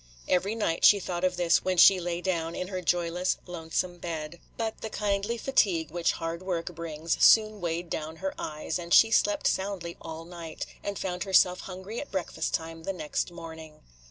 Every night she thought of this when she lay down in her joyless, lonesome bed; but the kindly fatigue which hard work brings soon weighed down her eyes, and she slept soundly all night, and found herself hungry at breakfast time the next morning.